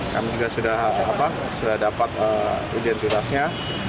kami juga sudah dapat identitasnya